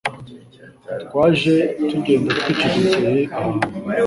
Twaje tugenda twicecekeye ahantu